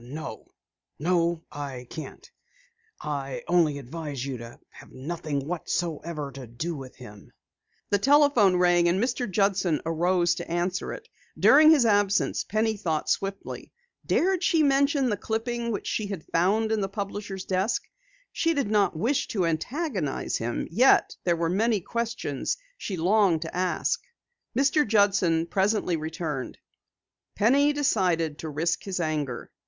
"No no, I can't. I only advise you to have nothing whatsoever to do with him." The telephone rang and Mr. Judson arose to answer it. During his absence, Penny thought swiftly. Dared she mention the clipping which she had found in the publisher's desk? She did not wish to antagonize him, yet there were many questions she longed to ask. Mr. Judson presently returned. Penny decided to risk his anger.